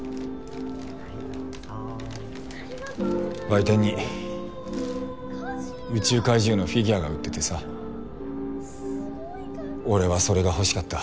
売店に宇宙怪獣のフィギュアが売っててさ俺はそれが欲しかった。